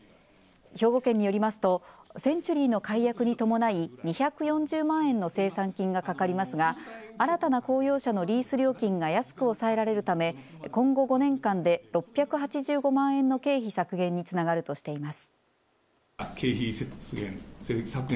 県によりますとセンチュリーの解約に伴い２４０万円の清算金がかかりますが新たな公用車のリース料金が安く抑えられるため今後５年間で６８５万円の経費削減につながるとしています。